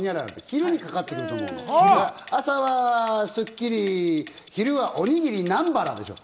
朝はスッキリ、昼はおにぎり、南原でしょ。